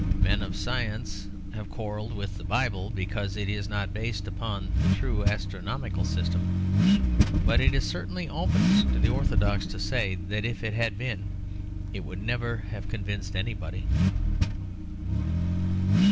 Men of science have quarrelled with the Bible because it is not based upon the true astronomical system, but it is certainly open to the orthodox to say that if it had been it would never have convinced anybody.